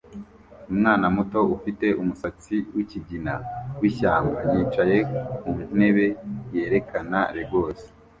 Umwana muto ufite umusatsi wikigina wishyamba yicaye ku ntebe yerekana Legos